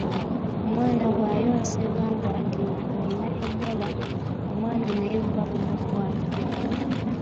Omwana bw'ayonsebwa nga nnyina ayina Ebola, omwana naye buba bumukwata